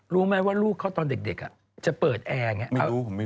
รู้ไหมว่าลูกเขาตอนเด็กจะเปิดแอร์อย่างนี้